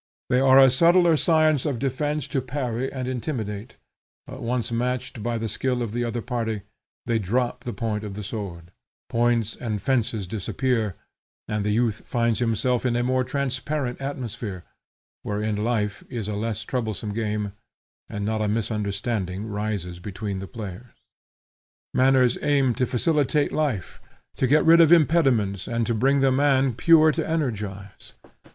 They are a subtler science of defence to parry and intimidate; but once matched by the skill of the other party, they drop the point of the sword, points and fences disappear, and the youth finds himself in a more transparent atmosphere, wherein life is a less troublesome game, and not a misunderstanding rises between the players. Manners aim to facilitate life, to get rid of impediments and bring the man pure to energize.